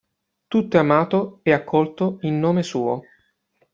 Tutto è amato e accolto in nome Suo.